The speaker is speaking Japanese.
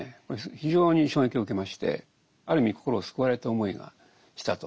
非常に衝撃を受けましてある意味心を救われた思いがしたと。